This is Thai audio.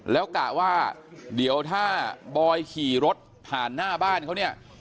แล้วกะว่าเดี๋ยวถ้าบอยขี่รถผ่านหน้าบ้านเขาเนี่ย